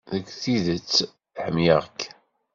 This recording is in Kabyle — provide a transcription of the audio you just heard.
Deg tidet, ḥemmleɣ-k.